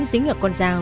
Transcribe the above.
dính ở con dao